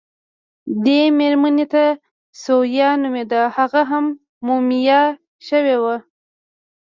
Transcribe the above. دې مېرمنې ته ثویا نومېده، هغه هم مومیايي شوې وه.